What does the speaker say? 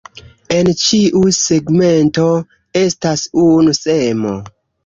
En ĉiu segmento estas unu semo.